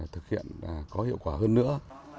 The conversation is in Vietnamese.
thực hiện có hiệu quả hơn nữa